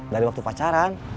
dari waktu pacaran